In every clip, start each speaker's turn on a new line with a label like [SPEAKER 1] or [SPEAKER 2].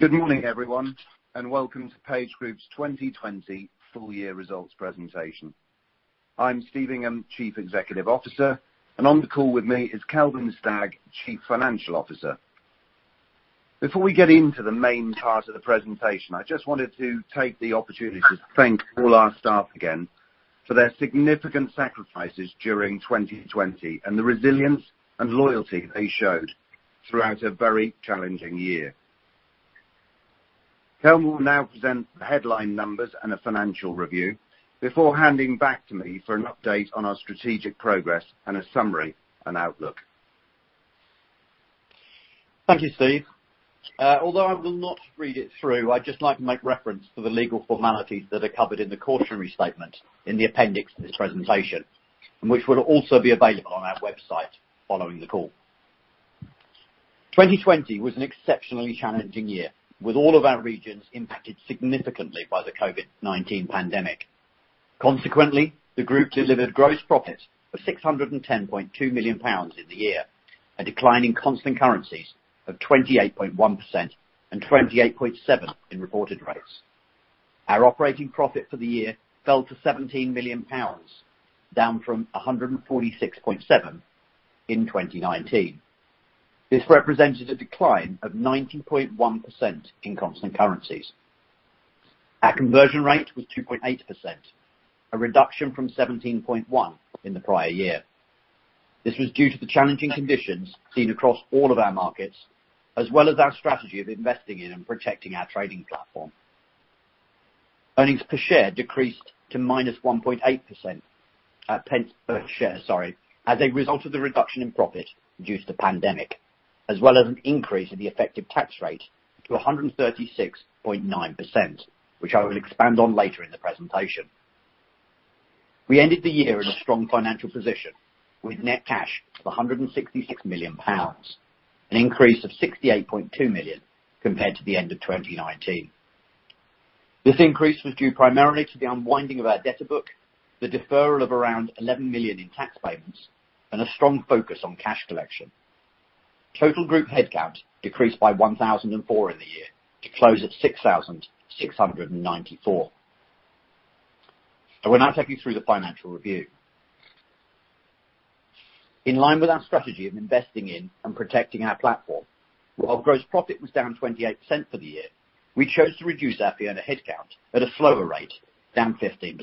[SPEAKER 1] Good morning, everyone, and welcome to PageGroup's 2020 full year results presentation. I'm Steve Ingham, Chief Executive Officer, and on the call with me is Kelvin Stagg, Chief Financial Officer. Before we get into the main part of the presentation, I just wanted to take the opportunity to thank all our staff again for their significant sacrifices during 2020 and the resilience and loyalty they showed throughout a very challenging year. Kelvin will now present the headline numbers and a financial review before handing back to me for an update on our strategic progress and a summary and outlook.
[SPEAKER 2] Thank you, Steve. Although I will not read it through, I'd just like to make reference to the legal formalities that are covered in the cautionary statement in the appendix of this presentation, and which will also be available on our website following the call. 2020 was an exceptionally challenging year, with all of our regions impacted significantly by the COVID-19 pandemic. Consequently, the group delivered gross profits of 610.2 million pounds in the year, a decline in constant currencies of 28.1% and 28.7% in reported rates. Our operating profit for the year fell to 17 million pounds, down from 146.7 in 2019. This represented a decline of 90.1% in constant currencies. Our conversion rate was 2.8%, a reduction from 17.1% in the prior year. This was due to the challenging conditions seen across all of our markets, as well as our strategy of investing in and protecting our trading platform. Earnings per share decreased to -1.8% pence per share, sorry, as a result of the reduction in profit due to the pandemic, as well as an increase in the effective tax rate to 136.9%, which I will expand on later in the presentation. We ended the year in a strong financial position with net cash of 166 million pounds, an increase of 68.2 million compared to the end of 2019. This increase was due primarily to the unwinding of our debtor book, the deferral of around 11 million in tax payments, and a strong focus on cash collection. Total group headcount decreased by 1,004 in the year to close at 6,694. I will now take you through the financial review. In line with our strategy of investing in and protecting our platform, while gross profit was down 28% for the year, we chose to reduce our fee earner headcount at a slower rate, down 15%.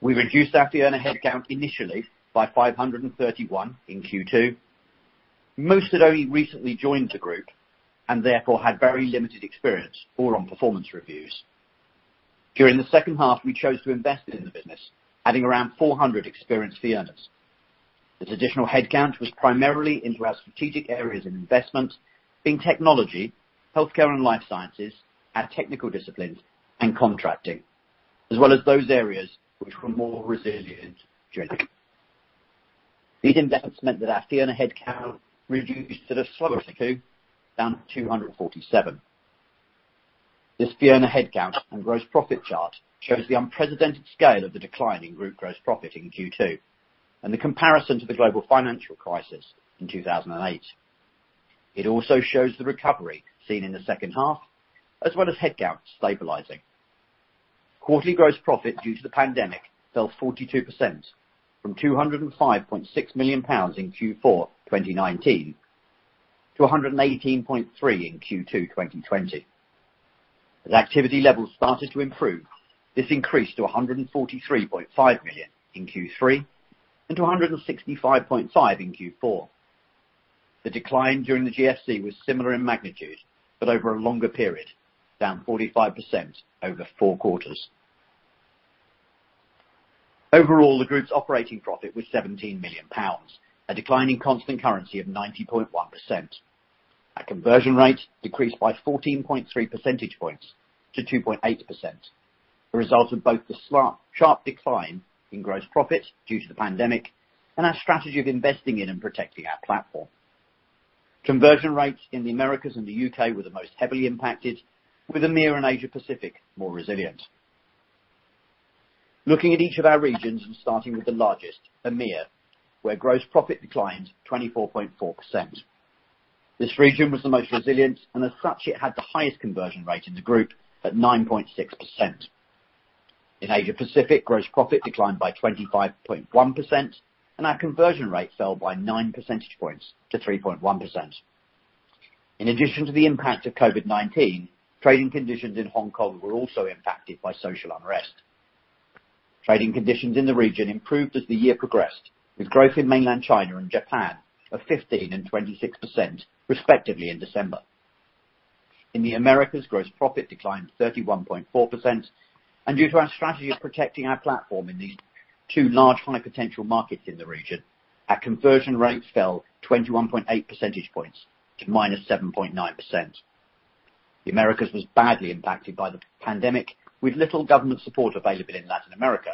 [SPEAKER 2] We reduced our fee earner headcount initially by 531 in Q2. Most had only recently joined the group and therefore had very limited experience or on performance reviews. During the second half, we chose to invest in the business, adding around 400 experienced fee earners. This additional headcount was primarily into our strategic areas of investment, being technology, healthcare and life sciences, our technical disciplines, and contracting, as well as those areas which were more resilient during. These investments meant that our fee earner headcount reduced at a slower rate, down to 247. This fee earner headcount and gross profit chart shows the unprecedented scale of the decline in group gross profit in Q2 and the comparison to the global financial crisis in 2008. It also shows the recovery seen in the second half, as well as headcount stabilizing. Quarterly gross profit due to the pandemic fell 42% from 205.6 million pounds in Q4 2019 to 118.3 million in Q2 2020. As activity levels started to improve, this increased to 143.5 million in Q3 and to 165.5 million in Q4. The decline during the GFC was similar in magnitude but over a longer period, down 45% over four quarters. Overall, the group's operating profit was GBP 17 million, a decline in constant currency of 90.1%. Our conversion rate decreased by 14.3 percentage points to 2.8%, a result of both the sharp decline in gross profit due to the pandemic and our strategy of investing in and protecting our platform. Conversion rates in the Americas and the U.K. were the most heavily impacted, with EMEIA and Asia Pacific more resilient. Looking at each of our regions and starting with the largest, EMEIA, where gross profit declined 24.4%. This region was the most resilient, and as such, it had the highest conversion rate in the group at 9.6%. In Asia Pacific, gross profit declined by 25.1%, and our conversion rate fell by nine percentage points to 3.1%. In addition to the impact of COVID-19, trading conditions in Hong Kong were also impacted by social unrest. Trading conditions in the region improved as the year progressed, with growth in mainland China and Japan of 15% and 26%, respectively, in December. In the Americas, gross profit declined 31.4%, and due to our strategy of protecting our platform in these two large high-potential markets in the region, our conversion rates fell 21.8 percentage points to -7.9%. The Americas was badly impacted by the pandemic, with little government support available in Latin America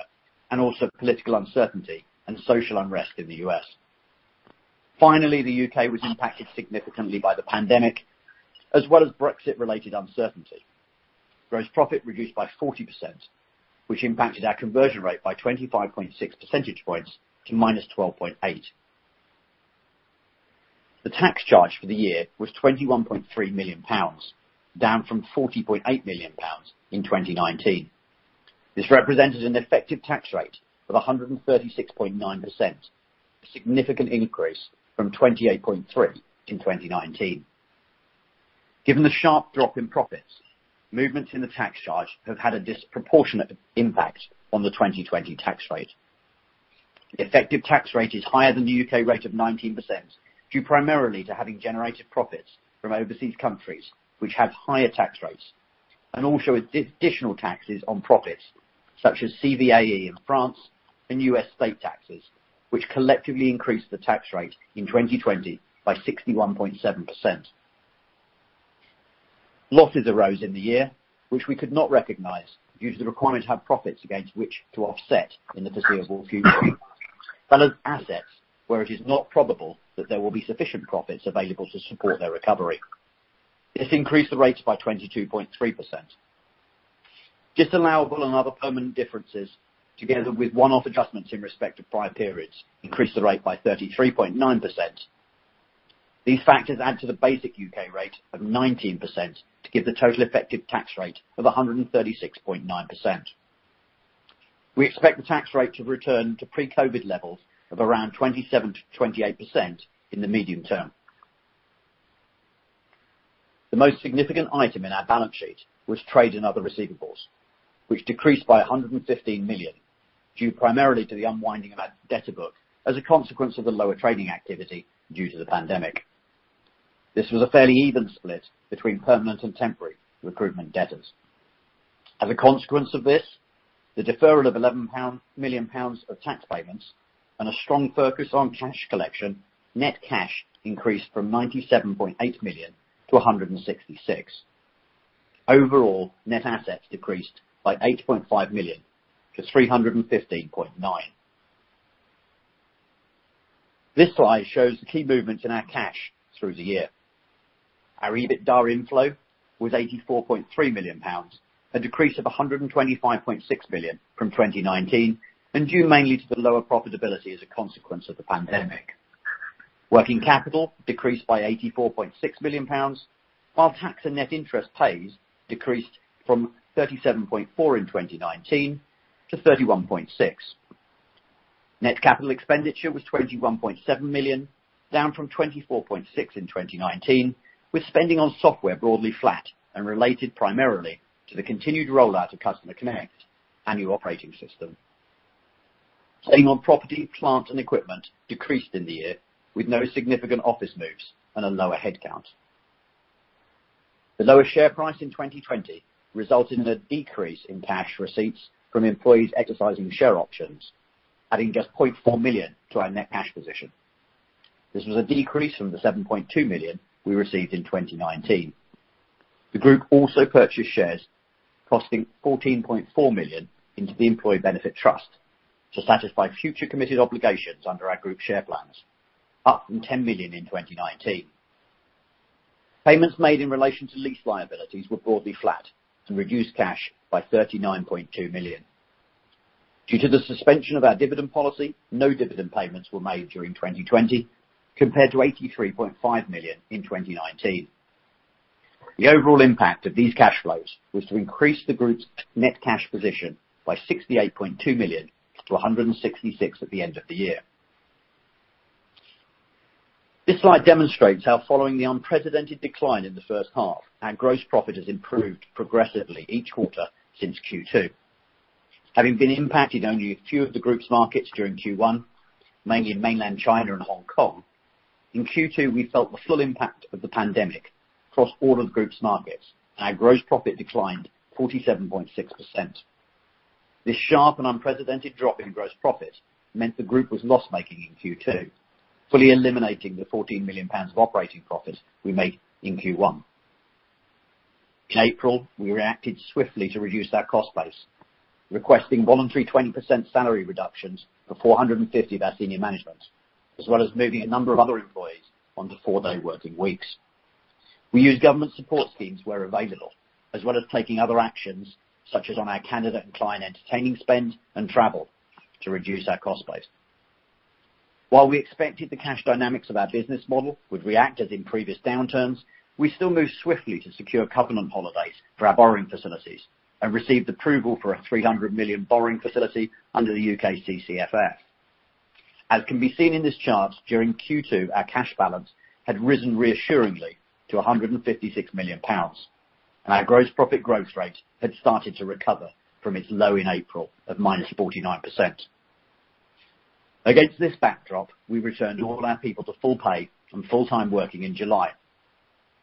[SPEAKER 2] and also political uncertainty and social unrest in the U.S. Finally, the U.K. was impacted significantly by the pandemic, as well as Brexit-related uncertainty. Gross profit reduced by 40%, which impacted our conversion rate by 25.6 percentage points to -12.8%. The tax charge for the year was 21.3 million pounds, down from 40.8 million pounds in 2019. This represented an effective tax rate of 136.9%, a significant increase from 28.3% in 2019. Given the sharp drop in profits, movements in the tax charge have had a disproportionate impact on the 2020 tax rate. The effective tax rate is higher than the U.K. rate of 19%, due primarily to having generated profits from overseas countries which have higher tax rates, and also additional taxes on profits such as CVAE in France and U.S. state taxes, which collectively increased the tax rate in 2020 by 61.7%. Losses arose in the year which we could not recognize due to the requirement to have profits against which to offset in the foreseeable future. Balance assets where it is not probable that there will be sufficient profits available to support their recovery. This increased the rates by 22.3%. Disallowable and other permanent differences, together with one-off adjustments in respect of prior periods, increased the rate by 33.9%. These factors add to the basic U.K. rate of 19% to give the total effective tax rate of 136.9%. We expect the tax rate to return to pre-COVID levels of around 27% to 28% in the medium term. The most significant item in our balance sheet was trade and other receivables, which decreased by 115 million, due primarily to the unwinding of our debtor book as a consequence of the lower trading activity due to the pandemic. This was a fairly even split between permanent and temporary recruitment debtors. As a consequence of this, the deferral of 11 million pound of tax payments and a strong focus on cash collection, net cash increased from 97.8 million to 166. Overall, net assets decreased by 8.5 million to 315.9. This slide shows the key movements in our cash through the year. Our EBITDA inflow was 84.3 million pounds, a decrease of 125.6 million from 2019, and due mainly to the lower profitability as a consequence of the pandemic. Working capital decreased by 84.6 million pounds, while tax and net interest pays decreased from 37.4 in 2019 to 31.6. Net capital expenditure was 21.7 million, down from 24.6 in 2019, with spending on software broadly flat and related primarily to the continued rollout of Customer Connect our new operating system Spending on property, plant, and equipment decreased in the year, with no significant office moves and a lower headcount. The lower share price in 2020 resulted in a decrease in cash receipts from employees exercising share options, adding just 0.4 million to our net cash position. This was a decrease from the 7.2 million we received in 2019. The group also purchased shares costing 14.4 million into the employee benefit trust to satisfy future committed obligations under our group share plans, up from 10 million in 2019. Payments made in relation to lease liabilities were broadly flat and reduced cash by 39.2 million. Due to the suspension of our dividend policy, no dividend payments were made during 2020, compared to 83.5 million in 2019. The overall impact of these cash flows was to increase the group's net cash position by 68.2 million to 166 at the end of the year. This slide demonstrates how following the unprecedented decline in the first half, our gross profit has improved progressively each quarter since Q2. Having been impacted only a few of the group's markets during Q1, mainly in mainland China and Hong Kong, in Q2, we felt the full impact of the pandemic across all of the group's markets. Our gross profit declined 47.6%. This sharp and unprecedented drop in gross profit meant the group was loss-making in Q2, fully eliminating the 14 million pounds of operating profit we made in Q1. In April, we reacted swiftly to reduce our cost base, requesting voluntary 20% salary reductions for 450 of our senior management, as well as moving a number of other employees onto 4-day working weeks. We used government support schemes where available, as well as taking other actions, such as on our candidate and client entertaining spend and travel, to reduce our cost base. While we expected the cash dynamics of our business model would react as in previous downturns, we still moved swiftly to secure covenant holidays for our borrowing facilities and received approval for a 300 million borrowing facility under the U.K. CCFF. As can be seen in this chart, during Q2, our cash balance had risen reassuringly to 156 million pounds, and our gross profit growth rate had started to recover from its low in April of -49%. Against this backdrop, we returned all our people to full pay and full-time working in July,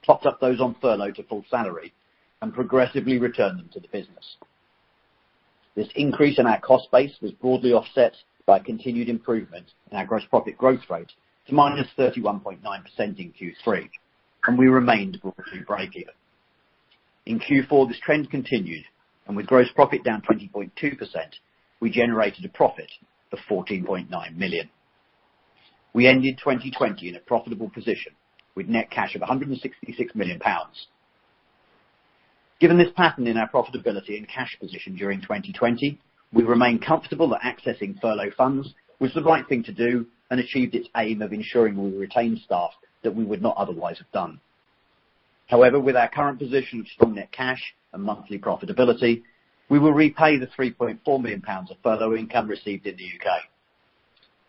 [SPEAKER 2] topped up those on furlough to full salary, and progressively returned them to the business. This increase in our cost base was broadly offset by continued improvement in our gross profit growth rate to -31.9% in Q3, and we remained broadly breakeven. In Q4, this trend continued, and with gross profit down 20.2%, we generated a profit of 14.9 million. We ended 2020 in a profitable position with net cash of 166 million pounds. Given this pattern in our profitability and cash position during 2020, we remain comfortable that accessing Furlough funds was the right thing to do and achieved its aim of ensuring we retain staff that we would not otherwise have done. However, with our current position, strong net cash, and monthly profitability, we will repay the 3.4 million pounds of Furlough income received in the U.K.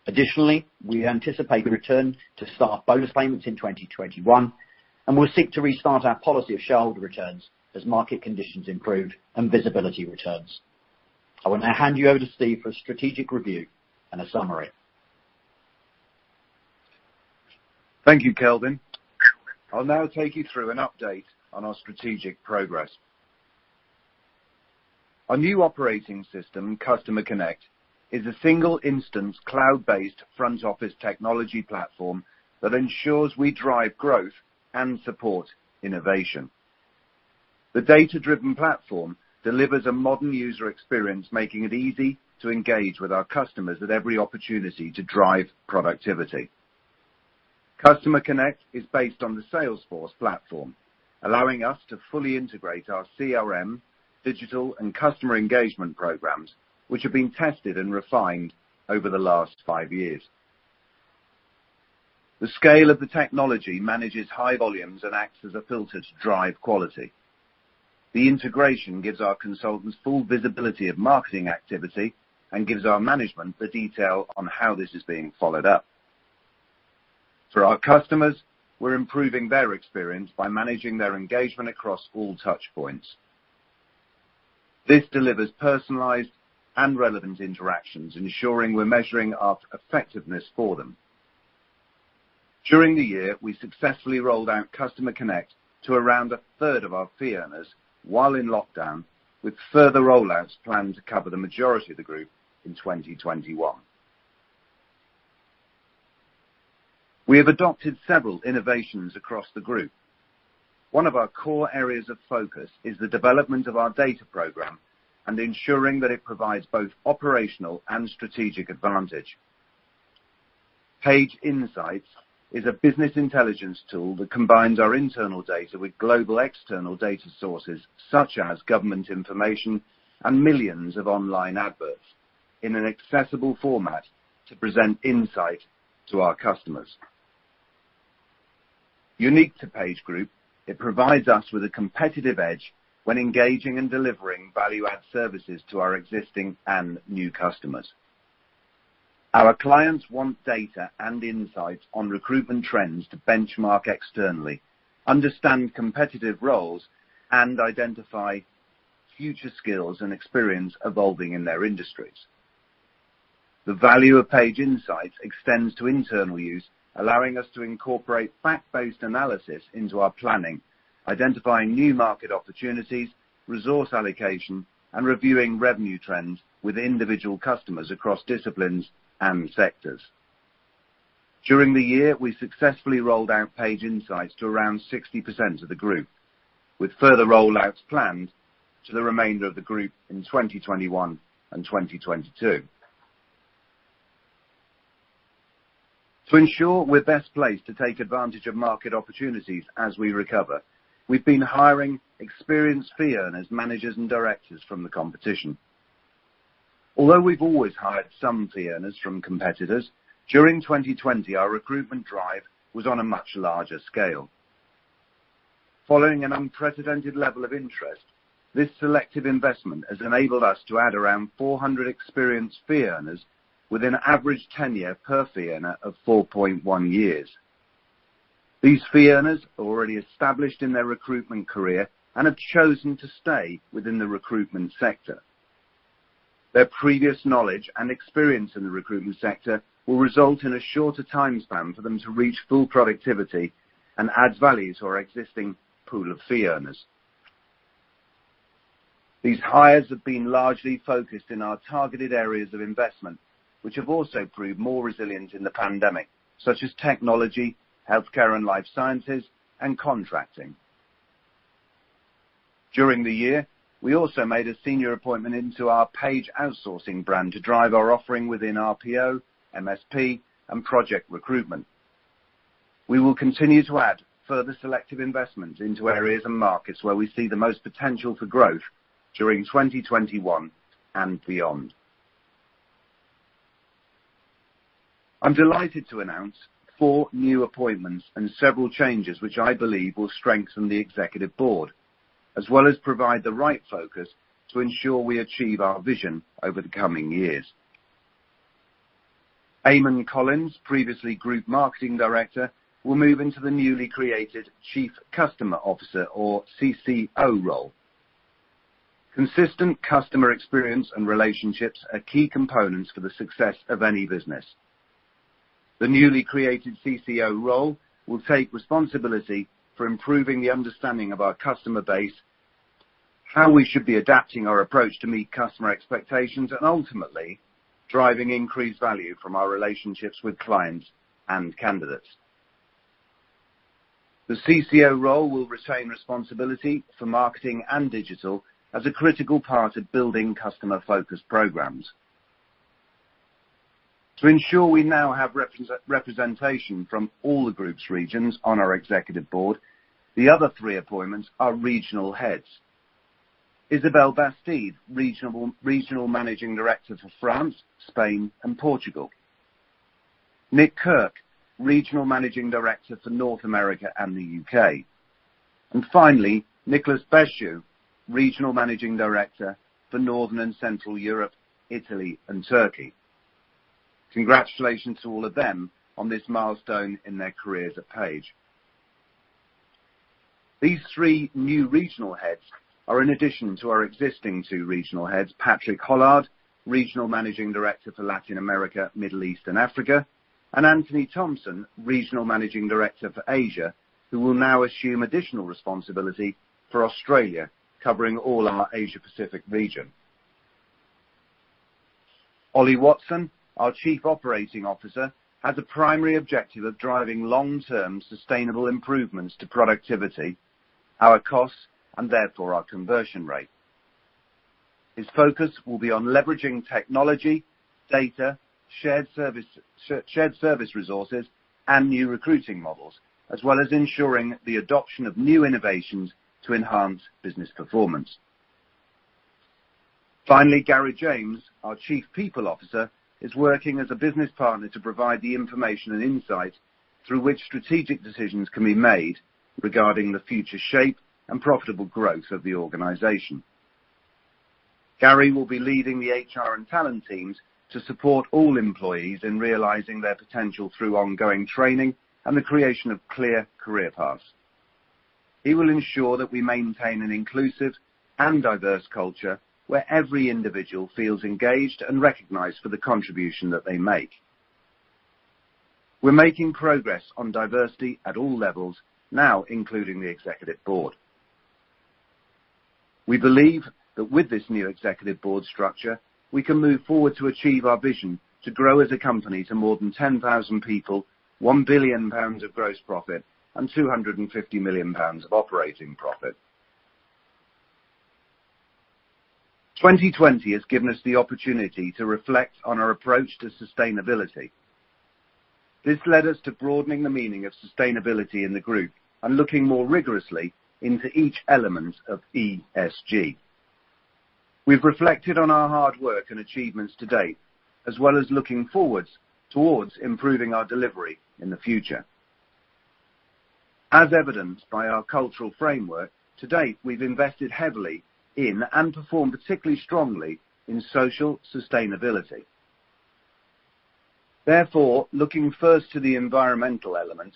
[SPEAKER 2] Additionally, we anticipate the return to staff bonus payments in 2021, and we'll seek to restart our policy of shareholder returns as market conditions improve and visibility returns. I will now hand you over to Steve for strategic review and a summary.
[SPEAKER 1] Thank you, Kelvin. I'll now take you through an update on our strategic progress. Our new operating system, Customer Connect, is a single instance cloud-based front office technology platform that ensures we drive growth and support innovation. The data-driven platform delivers a modern user experience, making it easy to engage with our customers at every opportunity to drive productivity. Customer Connect is based on the Salesforce platform, allowing us to fully integrate our CRM, digital, and customer engagement programs, which have been tested and refined over the last five years. The scale of the technology manages high volumes and acts as a filter to drive quality. The integration gives our consultants full visibility of marketing activity and gives our management the detail on how this is being followed up. For our customers, we're improving their experience by managing their engagement across all touch points. This delivers personalized and relevant interactions, ensuring we're measuring our effectiveness for them. During the year, we successfully rolled out Customer Connect to around a third of our fee earners while in lockdown, with further rollouts planned to cover the majority of the group in 2021. We have adopted several innovations across the group. One of our core areas of focus is the development of our data program and ensuring that it provides both operational and strategic advantage. Page Insights is a business intelligence tool that combines our internal data with global external data sources, such as government information and millions of online adverts, in an accessible format to present insight to our customers. Unique to PageGroup, it provides us with a competitive edge when engaging and delivering value-add services to our existing and new customers. Our clients want data and insights on recruitment trends to benchmark externally, understand competitive roles, and identify future skills and experience evolving in their industries. The value of Page Insights extends to internal use, allowing us to incorporate fact-based analysis into our planning, identifying new market opportunities, resource allocation, and reviewing revenue trends with individual customers across disciplines and sectors. During the year, we successfully rolled out Page Insights to around 60% of the group, with further rollouts planned to the remainder of the group in 2021 and 2022. To ensure we're best placed to take advantage of market opportunities as we recover, we've been hiring experienced fee earners, managers, and directors from the competition. We've always hired some fee earners from competitors, during 2020, our recruitment drive was on a much larger scale. Following an unprecedented level of interest, this selective investment has enabled us to add around 400 experienced fee earners with an average tenure per fee earner of 4.1 years. These fee earners are already established in their recruitment career and have chosen to stay within the recruitment sector. Their previous knowledge and experience in the recruitment sector will result in a shorter time span for them to reach full productivity and adds value to our existing pool of fee earners. These hires have been largely focused in our targeted areas of investment, which have also proved more resilient in the pandemic, such as technology, healthcare and life sciences, and contracting. During the year, we also made a senior appointment into our Page Outsourcing brand to drive our offering within RPO, MSP, and project recruitment. We will continue to add further selective investment into areas and markets where we see the most potential for growth during 2021 and beyond. I'm delighted to announce four new appointments and several changes which I believe will strengthen the Executive Board, as well as provide the right focus to ensure we achieve our vision over the coming years. Eamon Collins, previously Group Marketing Director, will move into the newly created Chief Customer Officer, or CCO role. Consistent customer experience and relationships are key components for the success of any business. The newly created CCO role will take responsibility for improving the understanding of our customer base, how we should be adapting our approach to meet customer expectations, and ultimately driving increased value from our relationships with clients and candidates. The CCO role will retain responsibility for marketing and digital as a critical part of building customer-focused programs. To ensure we now have representation from all the group's regions on our executive board, the other three appointments are regional heads. Isabelle Bastide, regional managing director for France, Spain, and Portugal. Nick Kirk, regional managing director for North America and the U.K. Finally, Nicolas Béchu, regional managing director for Northern and Central Europe, Italy, and Turkey. Congratulations to all of them on this milestone in their careers at Page. These three new regional heads are in addition to our existing two regional heads, Patrick Hollard, regional managing director for Latin America, Middle East, and Africa, and Anthony Thompson, regional managing director for Asia, who will now assume additional responsibility for Australia, covering all our Asia Pacific region. Ollie Watson, our Chief Operating Officer, has a primary objective of driving long-term sustainable improvements to productivity, our costs, and therefore, our conversion rate. His focus will be on leveraging technology, data, shared service resources, and new recruiting models, as well as ensuring the adoption of new innovations to enhance business performance. Finally, Gary James, our Chief People Officer, is working as a business partner to provide the information and insight through which strategic decisions can be made regarding the future shape and profitable growth of the organization. Gary will be leading the HR and talent teams to support all employees in realizing their potential through ongoing training and the creation of clear career paths. He will ensure that we maintain an inclusive and diverse culture where every individual feels engaged and recognized for the contribution that they make. We're making progress on diversity at all levels now, including the executive board. We believe that with this new executive board structure, we can move forward to achieve our vision to grow as a company to more than 10,000 people, 1 billion pounds of gross profit, and 250 million pounds of operating profit. 2020 has given us the opportunity to reflect on our approach to sustainability. This led us to broadening the meaning of sustainability in the group and looking more rigorously into each element of ESG. We've reflected on our hard work and achievements to date, as well as looking forwards towards improving our delivery in the future. As evidenced by our cultural framework, to date, we've invested heavily in and performed particularly strongly in social sustainability. Therefore, looking first to the environmental element,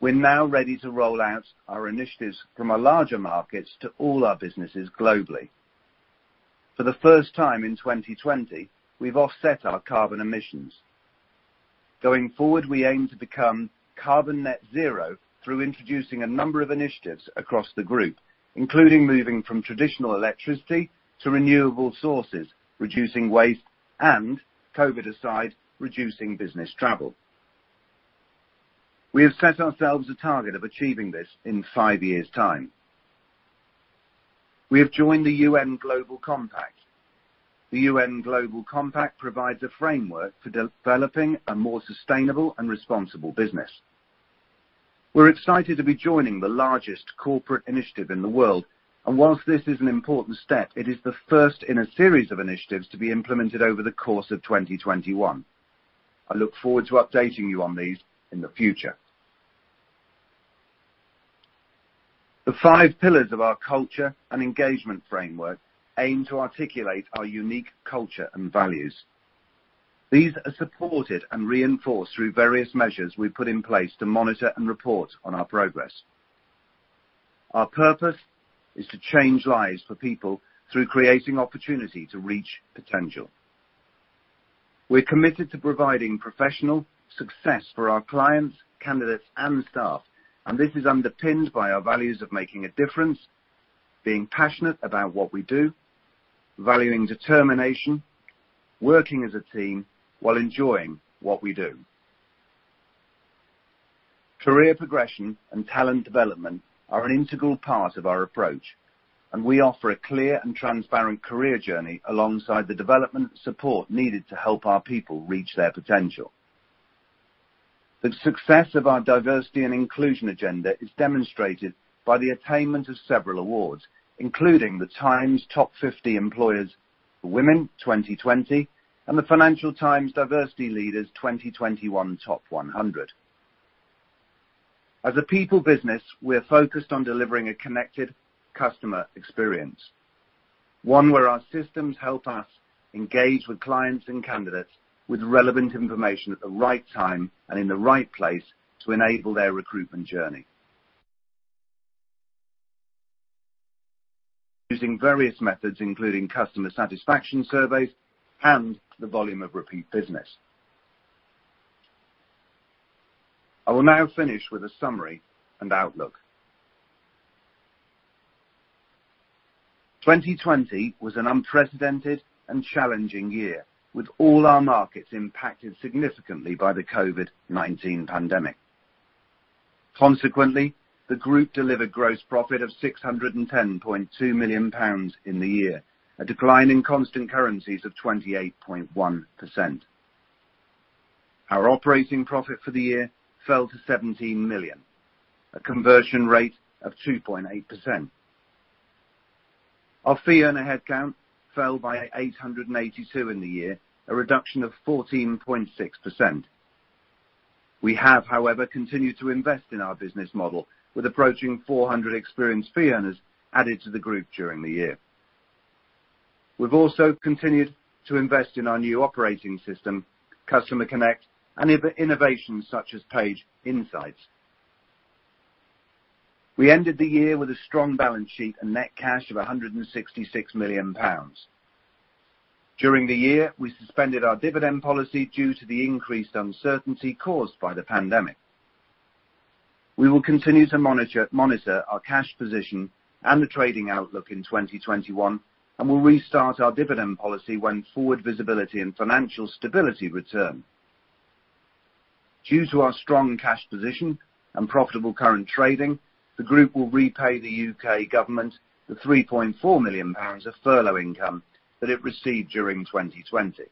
[SPEAKER 1] we're now ready to roll out our initiatives from our larger markets to all our businesses globally. For the first time in 2020, we've offset our carbon emissions. Going forward, we aim to become carbon net zero through introducing a number of initiatives across the group, including moving from traditional electricity to renewable sources, reducing waste and, COVID aside, reducing business travel. We have set ourselves a target of achieving this in five years' time. We have joined the UN Global Compact. The UN Global Compact provides a framework for developing a more sustainable and responsible business. We're excited to be joining the largest corporate initiative in the world, and whilst this is an important step, it is the first in a series of initiatives to be implemented over the course of 2021. I look forward to updating you on these in the future. The five pillars of our culture and engagement framework aim to articulate our unique culture and values. These are supported and reinforced through various measures we put in place to monitor and report on our progress. Our purpose is to change lives for people through creating opportunity to reach potential. We're committed to providing professional success for our clients, candidates, and staff, and this is underpinned by our values of making a difference, being passionate about what we do, valuing determination, working as a team while enjoying what we do. Career progression and talent development are an integral part of our approach, and we offer a clear and transparent career journey alongside the development support needed to help our people reach their potential. The success of our diversity and inclusion agenda is demonstrated by the attainment of several awards, including The Times Top 50 Employers for Women 2020 and the Financial Times Diversity Leaders 2021 Top 100. As a people business, we're focused on delivering a connected customer experience, one where our systems help us engage with clients and candidates with relevant information at the right time and in the right place to enable their recruitment journey. Using various methods, including customer satisfaction surveys and the volume of repeat business. I will now finish with a summary and outlook. 2020 was an unprecedented and challenging year, with all our markets impacted significantly by the COVID-19 pandemic. Consequently, the group delivered gross profit of 610.2 million pounds in the year, a decline in constant currencies of 28.1%. Our operating profit for the year fell to 17 million, a conversion rate of 2.8%. Our fee earner headcount fell by 882 in the year, a reduction of 14.6%. We have, however, continued to invest in our business model with approaching 400 experienced fee earners added to the group during the year. We've also continued to invest in our new operating system, Customer Connect, and innovations such as Page Insights. We ended the year with a strong balance sheet and net cash of 166 million pounds. During the year, we suspended our dividend policy due to the increased uncertainty caused by the pandemic. We will continue to monitor our cash position and the trading outlook in 2021, and will restart our dividend policy when forward visibility and financial stability return. Due to our strong cash position and profitable current trading, the group will repay the U.K. government the 3.4 million pounds of furlough income that it received during 2020.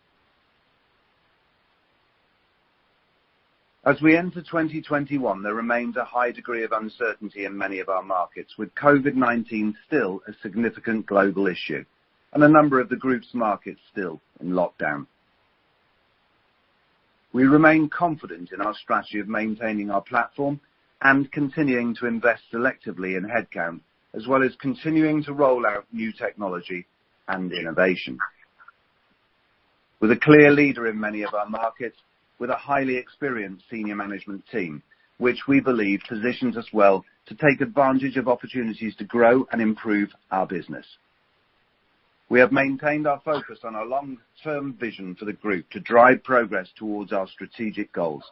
[SPEAKER 1] As we enter 2021, there remains a high degree of uncertainty in many of our markets, with COVID-19 still a significant global issue and a number of the group's markets still in lockdown. We remain confident in our strategy of maintaining our platform and continuing to invest selectively in headcount, as well as continuing to roll out new technology and innovation. We're the clear leader in many of our markets, with a highly experienced senior management team, which we believe positions us well to take advantage of opportunities to grow and improve our business. We have maintained our focus on our long-term vision for the group to drive progress towards our strategic goals.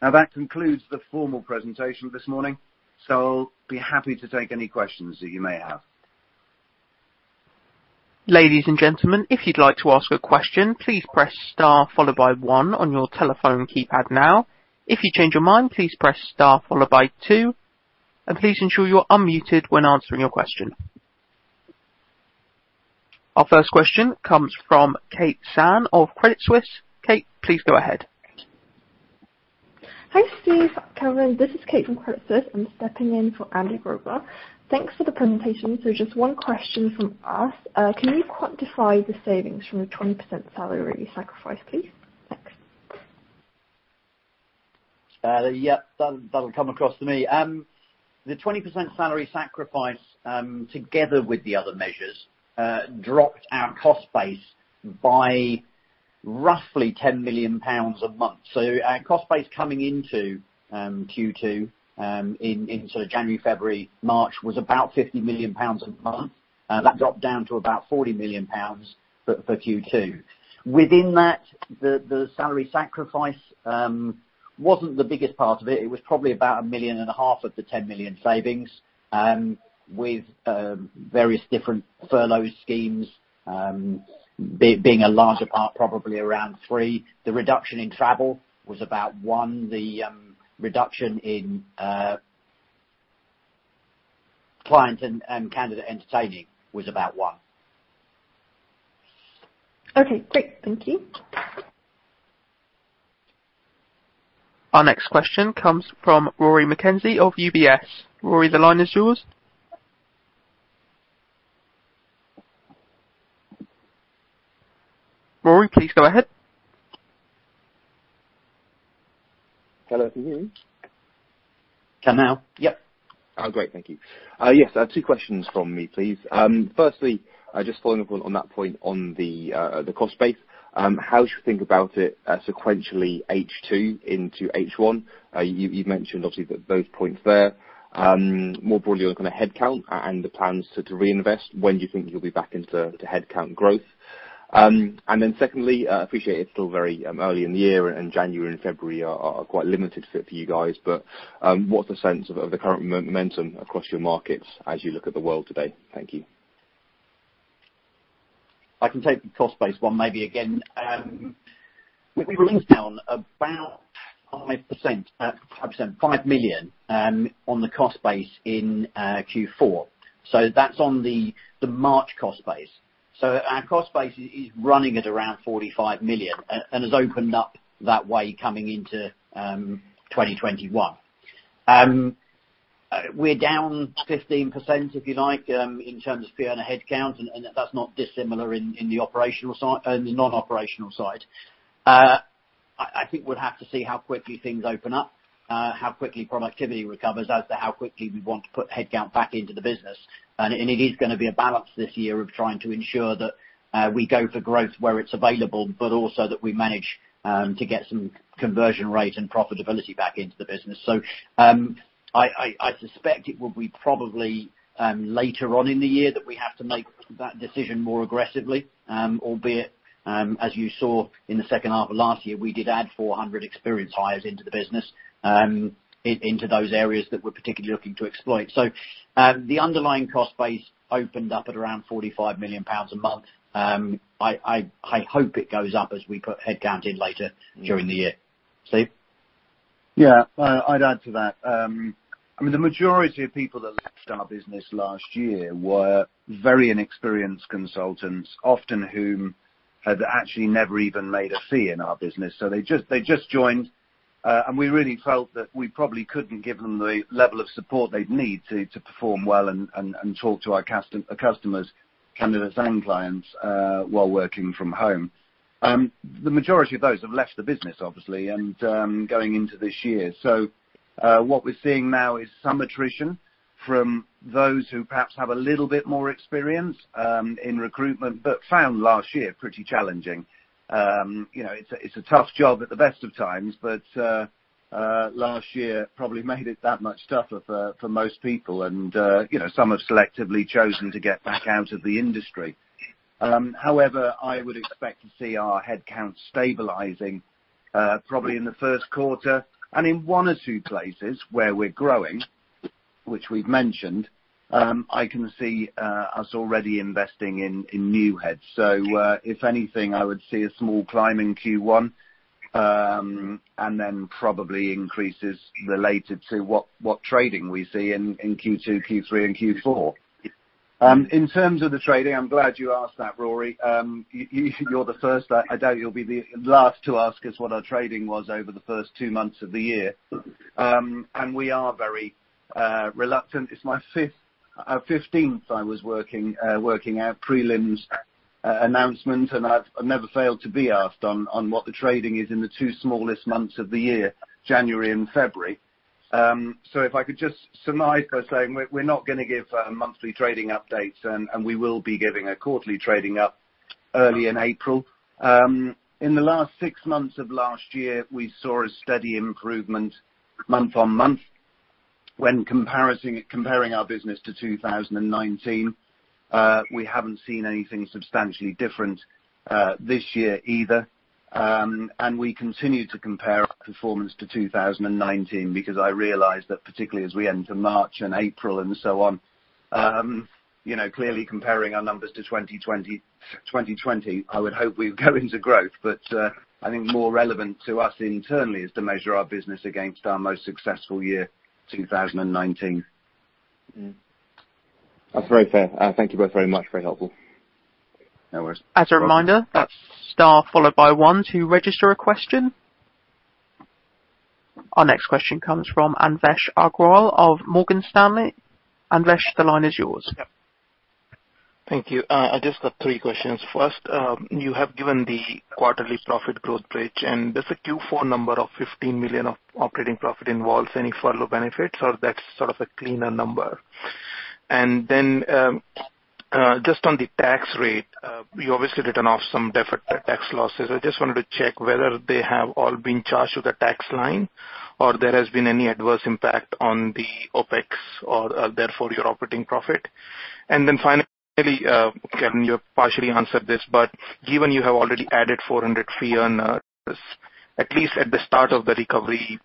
[SPEAKER 1] That concludes the formal presentation this morning, I'll be happy to take any questions that you may have.
[SPEAKER 3] Ladies and gentlemen if you would like to ask a question please press star followed by one on your telephone keypad now. If you change your mind please press star followed by two. An please ensure you are un-muted when asking your question. Our first question comes from Kate Swann of Credit Suisse. Kate, please go ahead.
[SPEAKER 4] Hi, Steve, Kelvin. This is Kate from Credit Suisse. I'm stepping in for Andy Grobler. Thanks for the presentation. Just one question from us. Can you quantify the savings from the 20% salary sacrifice, please? Thanks.
[SPEAKER 1] Yeah. That'll come across to me. The 20% salary sacrifice, together with the other measures, dropped our cost base by roughly 10 million pounds a month. Our cost base coming into Q2, into January, February, March, was about 50 million pounds a month. That dropped down to about 40 million pounds for Q2. Within that, the salary sacrifice wasn't the biggest part of it. It was probably about a million and a half of the 10 million savings, with various different furlough schemes being a larger part, probably around 3 million. The reduction in travel was about 1 million. The reduction in client and candidate entertaining was about 1 million.
[SPEAKER 4] Okay, great. Thank you.
[SPEAKER 3] Our next question comes from Rory McKenzie of UBS. Rory, the line is yours. Rory, please go ahead.
[SPEAKER 5] Hello, can you hear me?
[SPEAKER 1] Can now? Yep.
[SPEAKER 5] Oh, great. Thank you. Yes. Two questions from me, please. Firstly, just following up on that point on the cost base, how should we think about it sequentially H2 into H1? You've mentioned obviously both points there. More broadly on the kind of headcount and the plans to reinvest, when do you think you'll be back into headcount growth? Secondly, I appreciate it's still very early in the year and January and February are quite limited for you guys, but what's the sense of the current momentum across your markets as you look at the world today? Thank you.
[SPEAKER 1] I can take the cost base one maybe again. We were down about 5 million on the cost base in Q4. That's on the March cost base. Our cost base is running at around 45 million and has opened up that way coming into 2021. We're down 15%, if you like, in terms of fee earner headcount, and that's not dissimilar in the non-operational side. I think we'll have to see how quickly things open up, how quickly productivity recovers as to how quickly we want to put headcount back into the business. It is gonna be a balance this year of trying to ensure that we go for growth where it's available, but also that we manage to get some conversion rate and profitability back into the business. I suspect it will be probably later on in the year that we have to make that decision more aggressively. Albeit, as you saw in the second half of last year, we did add 400 experienced hires into the business into those areas that we're particularly looking to exploit. The underlying cost base opened up at around 45 million pounds a month. I hope it goes up as we put headcount in later during the year. Yeah. I'd add to that. The majority of people that left our business last year were very inexperienced consultants, often whom had actually never even made a fee in our business. They just joined, and we really felt that we probably couldn't give them the level of support they'd need to perform well and talk to our customers, candidates, and clients, while working from home. The majority of those have left the business, obviously, and going into this year. What we're seeing now is some attrition from those who perhaps have a little bit more experience, in recruitment, but found last year pretty challenging. It's a tough job at the best of times, but last year probably made it that much tougher for most people. Some have selectively chosen to get back out of the industry. I would expect to see our headcount stabilizing, probably in the first quarter and in one or two places where we're growing, which we've mentioned, I can see us already investing in new heads. If anything, I would see a small climb in Q1, and then probably increases related to what trading we see in Q2, Q3, and Q4. In terms of the trading, I'm glad you asked that, Rory. You're the first, I doubt you'll be the last to ask us what our trading was over the first two months of the year. We are very reluctant. It's my fifteenth I was working out prelims announcement, and I've never failed to be asked on what the trading is in the two smallest months of the year, January and February. If I could just surmise by saying we're not going to give monthly trading updates, and we will be giving a quarterly trading update early in April. In the last six months of last year, we saw a steady improvement month-on-month when comparing our business to 2019. We haven't seen anything substantially different this year either. We continue to compare our performance to 2019 because I realize that particularly as we enter March and April and so on, clearly comparing our numbers to 2020, I would hope we would go into growth, but I think more relevant to us internally is to measure our business against our most successful year, 2019.
[SPEAKER 5] That's very fair. Thank you both very much. Very helpful.
[SPEAKER 1] No worries.
[SPEAKER 3] As a reminder, that's star followed by one to register a question. Our next question comes from Anvesh Agrawal of Morgan Stanley. Anvesh, the line is yours.
[SPEAKER 6] Yep. Thank you. I just got three questions. First, you have given the quarterly profit growth rate, and does the Q4 number of 15 million of operating profit involves any furlough benefits or that's sort of a cleaner number? Then, just on the tax rate, you obviously written off some deferred tax losses. I just wanted to check whether they have all been charged to the tax line or there has been any adverse impact on the OpEx or therefore your operating profit. Then finally, Kelvin, you partially answered this, but given you have already added 400 fee earners, at least at the start of the recovery,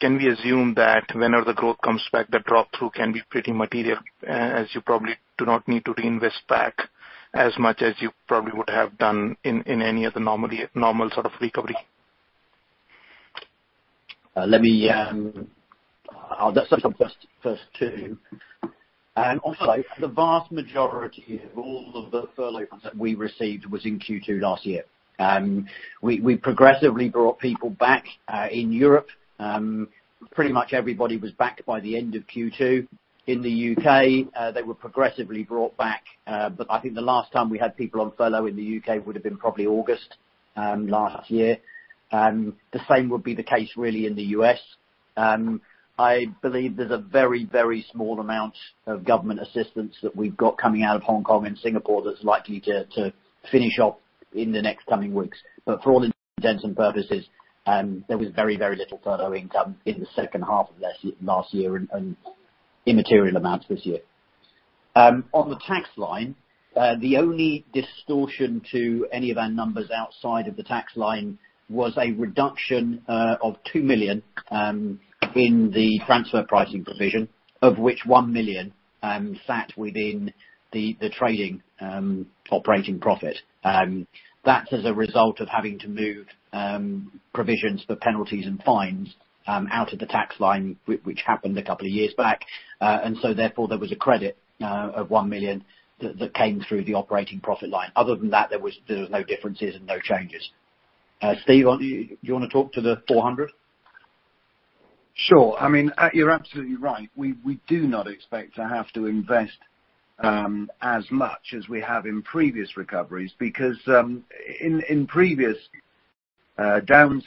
[SPEAKER 6] can we assume that whenever the growth comes back, the drop-through can be pretty material, as you probably do not need to reinvest back as much as you probably would have done in any other normal sort of recovery.
[SPEAKER 2] I'll touch on the first two. The vast majority of all of the furloughs that we received was in Q2 last year. We progressively brought people back, in Europe. Pretty much everybody was back by the end of Q2. In the U.K., they were progressively brought back. I think the last time we had people on furlough in the U.K. would have been probably August last year. The same would be the case really in the U.S. I believe there's a very, very small amount of government assistance that we've got coming out of Hong Kong and Singapore that's likely to finish up in the next coming weeks. For all intents and purposes, there was very, very little furlough income in the second half of last year and immaterial amounts this year. On the tax line, the only distortion to any of our numbers outside of the tax line was a reduction of 2 million in the transfer pricing provision, of which 1 million sat within the trading operating profit. That's as a result of having to move provisions for penalties and fines out of the tax line, which happened a couple of years back. Therefore, there was a credit of 1 million that came through the operating profit line. Other than that, there was no differences and no changes. Steve, do you want to talk to the 400?
[SPEAKER 1] Sure. You're absolutely right. We do not expect to have to invest as much as we have in previous recoveries because in previous downturns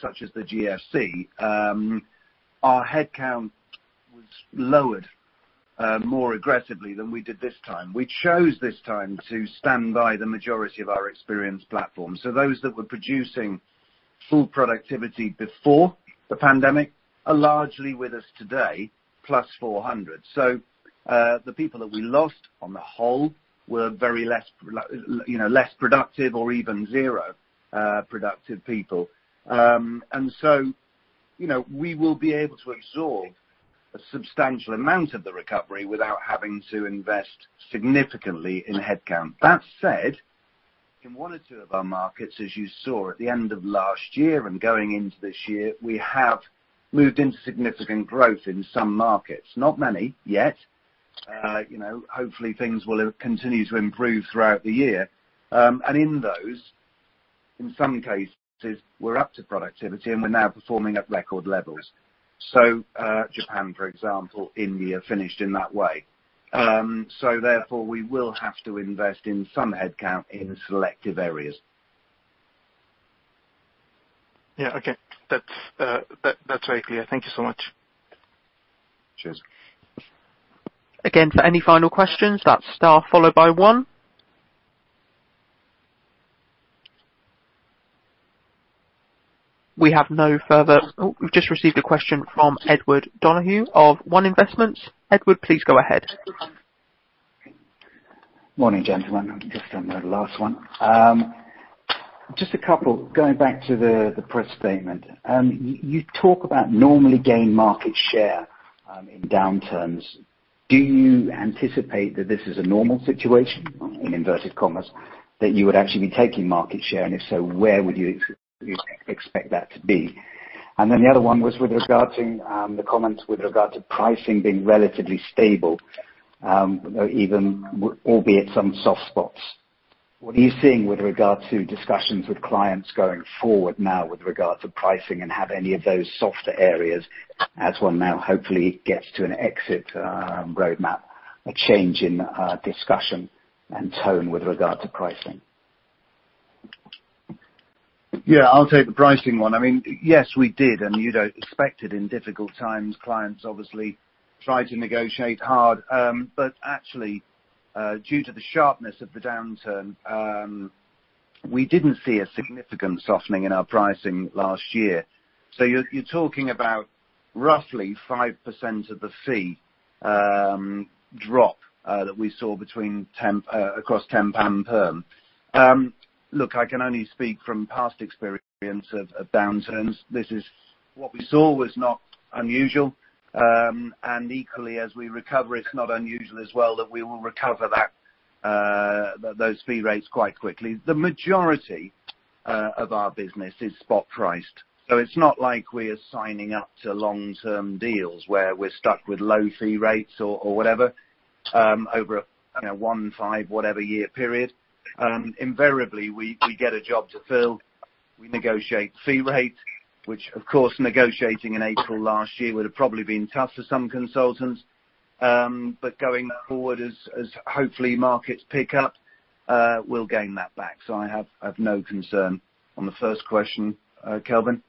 [SPEAKER 1] such as the GFC, our headcount was lowered more aggressively than we did this time. We chose this time to stand by the majority of our experienced platform. Those that were producing full productivity before the pandemic are largely with us today, plus 400. The people that we lost on the whole were very less productive or even zero productive people. We will be able to absorb a substantial amount of the recovery without having to invest significantly in headcount. That said, in one or two of our markets, as you saw at the end of last year and going into this year, we have moved into significant growth in some markets. Not many yet. Hopefully things will continue to improve throughout the year. In those, in some cases, we're up to productivity, and we're now performing at record levels. Japan, for example, India, finished in that way. Therefore, we will have to invest in some headcount in selective areas.
[SPEAKER 6] Yeah. Okay. That's very clear. Thank you so much.
[SPEAKER 2] Cheers.
[SPEAKER 3] Again, for any final questions, that's star followed by one. We have no further. We've just received a question from Edward Donohue of One Investments. Edward, please go ahead.
[SPEAKER 7] Morning, gentlemen. Just on the last one. Just a couple. Going back to the press statement. You talk about normally gain market share in downturns. Do you anticipate that this is a normal situation, in inverted commas, that you would actually be taking market share? If so, where would you expect that to be? The other one was with regard to the comments with regard to pricing being relatively stable, even albeit some soft spots. What are you seeing with regard to discussions with clients going forward now with regard to pricing, and have any of those softer areas as one now hopefully gets to an exit roadmap, a change in discussion and tone with regard to pricing?
[SPEAKER 1] Yeah, I'll take the pricing one. Yes, we did, and you'd expect it in difficult times. Clients obviously try to negotiate hard. Actually, due to the sharpness of the downturn, we didn't see a significant softening in our pricing last year. You're talking about roughly 5% of the fee drop that we saw across temp and perm. Look, I can only speak from past experience of downturns. What we saw was not unusual. Equally as we recover, it's not unusual as well that we will recover those fee rates quite quickly. The majority of our business is spot priced. It's not like we are signing up to long-term deals where we're stuck with low fee rates or whatever, over a one, five, whatever year period. Invariably, we get a job to fill, we negotiate fee rate, which of course, negotiating in April last year would have probably been tough for some consultants. Going forward, as hopefully markets pick up, we'll gain that back. I have no concern on the first question. Kelvin?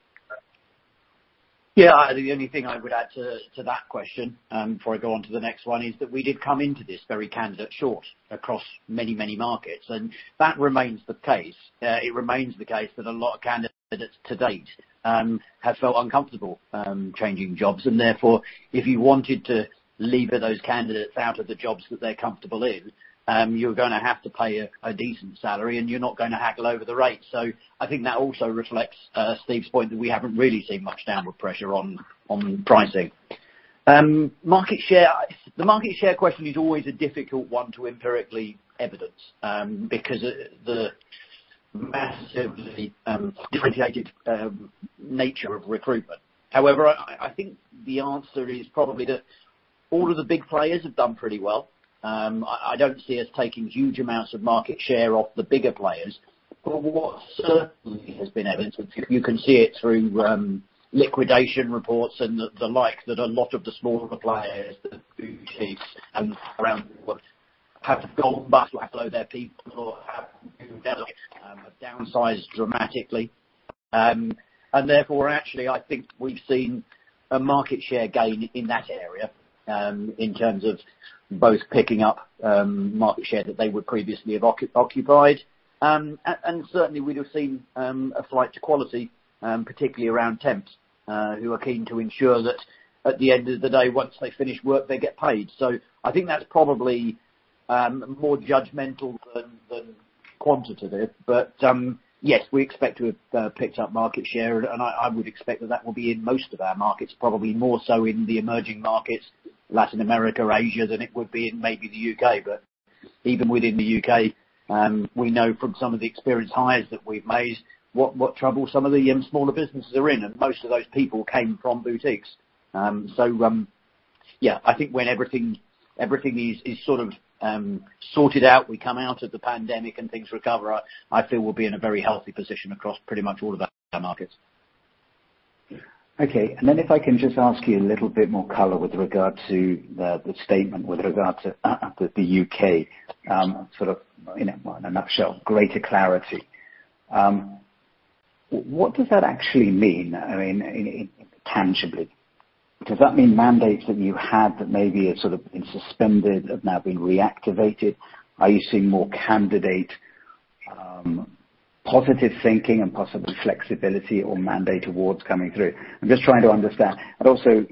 [SPEAKER 2] Yeah. The only thing I would add to that question before I go on to the next one is that we did come into this very candidate short across many, many markets, and that remains the case. It remains the case that a lot of candidates to date have felt uncomfortable changing jobs, and therefore, if you wanted to lever those candidates out of the jobs that they're comfortable in, you're going to have to pay a decent salary and you're not going to haggle over the rate. I think that also reflects Steve's point that we haven't really seen much downward pressure on pricing. The market share question is always a difficult one to empirically evidence because the massively differentiated nature of recruitment. However, I think the answer is probably that all of the big players have done pretty well. I don't see us taking huge amounts of market share off the bigger players. What certainly has been evident, you can see it through liquidation reports and the like, that a lot of the smaller players, the boutiques and around have gone bust, let go of their people or have been compelled to downsize dramatically. Therefore, actually, I think we've seen a market share gain in that area, in terms of both picking up market share that they would previously have occupied. Certainly we'd have seen a flight to quality, particularly around temps, who are keen to ensure that at the end of the day, once they finish work, they get paid. I think that's probably more judgmental than quantitative. Yes, we expect to have picked up market share, I would expect that that will be in most of our markets, probably more so in the emerging markets, Latin America, Asia, than it would be in maybe the U.K. Even within the U.K., we know from some of the experienced hires that we've made, what trouble some of the smaller businesses are in, and most of those people came from boutiques. Yeah, I think when everything is sort of sorted out, we come out of the pandemic and things recover, I feel we'll be in a very healthy position across pretty much all of our markets.
[SPEAKER 7] Okay. If I can just ask you a little bit more color with regard to the statement with regards to the U.K., sort of, in a nutshell, greater clarity. What does that actually mean tangibly? Does that mean mandates that you had that maybe have sort of been suspended have now been reactivated? Are you seeing more candidate positive thinking and possibly flexibility or mandate awards coming through? I'm just trying to understand. Also,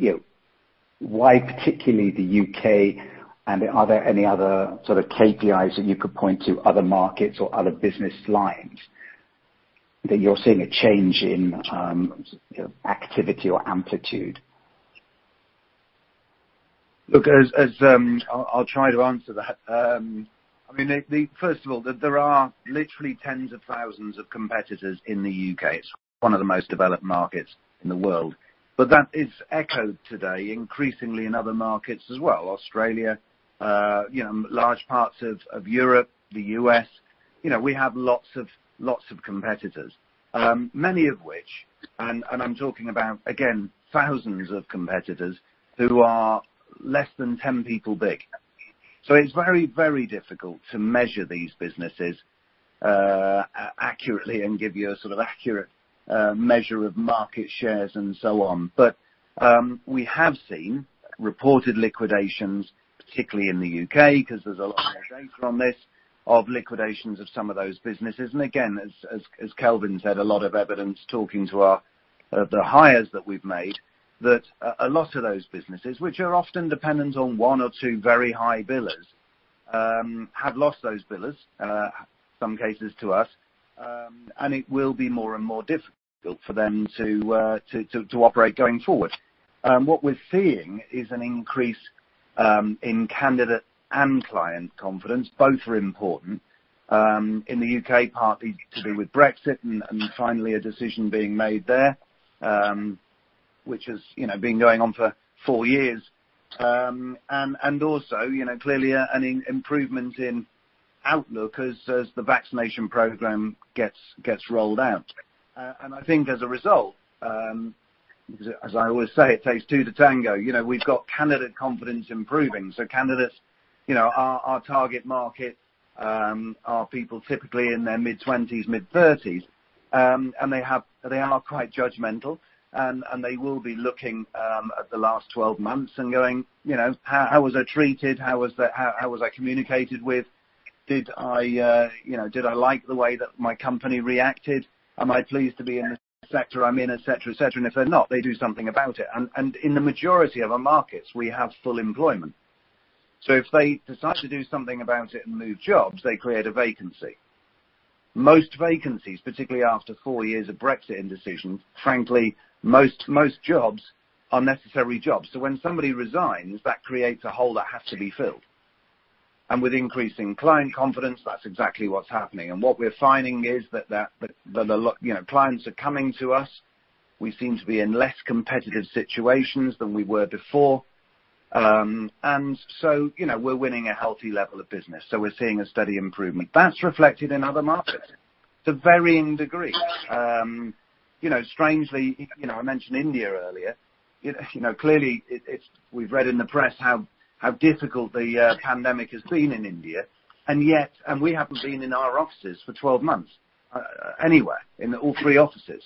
[SPEAKER 7] why particularly the U.K. and are there any other sort of KPIs that you could point to, other markets or other business lines that you're seeing a change in activity or amplitude?
[SPEAKER 1] I'll try to answer that. First of all, there are literally tens of thousands of competitors in the U.K. It's one of the most developed markets in the world. That is echoed today increasingly in other markets as well, Australia, large parts of Europe, the U.S. We have lots of competitors. Many of which, I'm talking about, again, thousands of competitors who are less than 10 people big. It's very, very difficult to measure these businesses accurately and give you a sort of accurate measure of market shares and so on. We have seen reported liquidations, particularly in the U.K., because there's a lot more data on this, of liquidations of some of those businesses. Again, as Kelvin said, a lot of evidence talking to the hires that we've made, that a lot of those businesses, which are often dependent on one or two very high billers, have lost those billers, some cases to us, and it will be more and more difficult for them to operate going forward. What we're seeing is an increase in candidate and client confidence. Both are important. In the U.K., partly to do with Brexit and finally a decision being made there, which has been going on for four years. Also clearly an improvement in outlook as the vaccination program gets rolled out. I think as a result, as I always say, it takes two to tango. We've got candidate confidence improving. Candidates, our target market, are people typically in their mid-20s, mid-30s, and they are quite judgmental, and they will be looking at the last 12 months and going, "How was I treated? How was I communicated with? Did I like the way that my company reacted? Am I pleased to be in the sector I'm in?" Et cetera. If they're not, they do something about it. In the majority of our markets, we have full employment. If they decide to do something about it and move jobs, they create a vacancy. Most vacancies, particularly after four years of Brexit indecision, frankly, most jobs are necessary jobs. When somebody resigns, that creates a hole that has to be filled. With increasing client confidence, that's exactly what's happening. What we're finding is that clients are coming to us. We seem to be in less competitive situations than we were before. We're winning a healthy level of business. We're seeing a steady improvement. That's reflected in other markets to varying degrees. Strangely, I mentioned India earlier. Clearly, we've read in the press how difficult the pandemic has been in India, and we haven't been in our offices for 12 months, anywhere, in all three offices.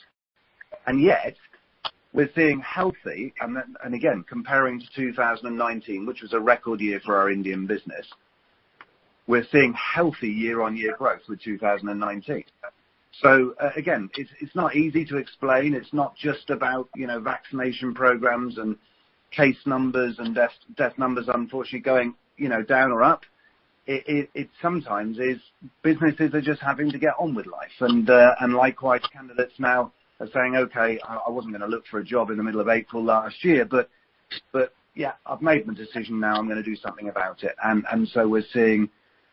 [SPEAKER 1] We're seeing healthy, and again, comparing to 2019, which was a record year for our Indian business, we're seeing healthy year-on-year growth with 2019. Again, it's not easy to explain. It's not just about vaccination programs and case numbers and death numbers unfortunately going down or up. It sometimes is businesses are just having to get on with life. Likewise, candidates now are saying, "Okay, I wasn't going to look for a job in the middle of April last year, but yeah, I've made my decision now, I'm going to do something about it." We're seeing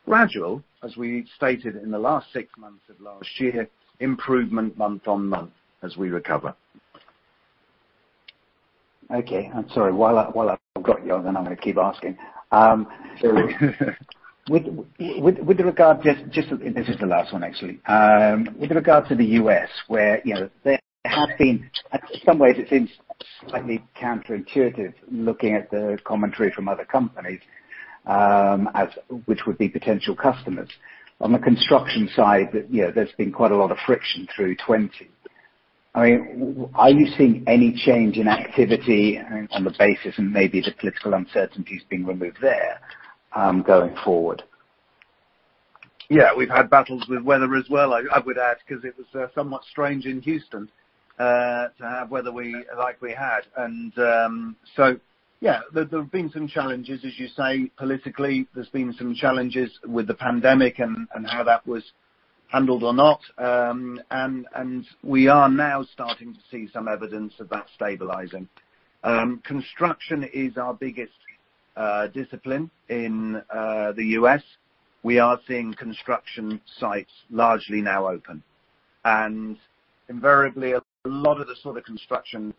[SPEAKER 1] gradual, as we stated in the last six months of last year, improvement month-on-month as we recover.
[SPEAKER 7] Okay. I'm sorry. While I've got you on, then I'm going to keep asking. This is the last one, actually. With regard to the U.S., where there have been, in some ways, it seems slightly counterintuitive, looking at the commentary from other companies, which would be potential customers. On the construction side, there's been quite a lot of friction through 2020. Are you seeing any change in activity on the basis and maybe the political uncertainties being removed there going forward?
[SPEAKER 1] Yeah. We've had battles with weather as well, I would add, because it was somewhat strange in Houston to have weather like we had. Yeah, there have been some challenges, as you say, politically. There's been some challenges with the pandemic and how that was handled or not. We are now starting to see some evidence of that stabilizing. Construction is our biggest discipline in the U.S. We are seeing construction sites largely now open. Invariably, a lot of the sort of construction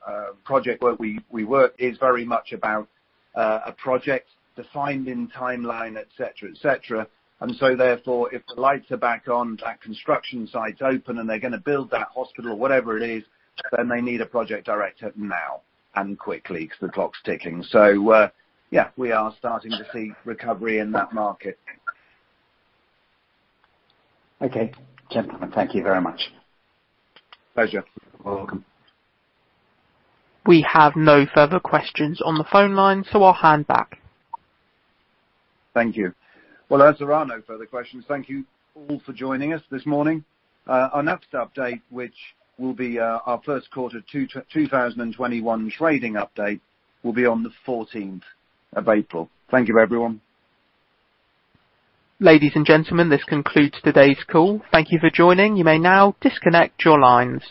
[SPEAKER 1] project where we work is very much about a project defined in timeline, et cetera. Therefore, if the lights are back on, that construction site's open and they're going to build that hospital or whatever it is, then they need a project director now and quickly because the clock's ticking. Yeah, we are starting to see recovery in that market.
[SPEAKER 7] Okay. Gentlemen, thank you very much.
[SPEAKER 1] Pleasure.
[SPEAKER 2] You're welcome.
[SPEAKER 3] We have no further questions on the phone line, so I'll hand back.
[SPEAKER 1] Thank you. Well, as there are no further questions, thank you all for joining us this morning. Our next update, which will be our first quarter 2021 trading update, will be on the 14th of April. Thank you, everyone.
[SPEAKER 3] Ladies and gentlemen, this concludes today's call. Thank you for joining. You may now disconnect your lines.